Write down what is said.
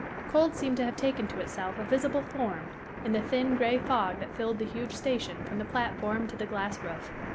Cold seemed to have taken to itself a visible form in the thin, gray fog that filled the huge station from the platform to the glass roof.